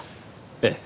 ええ。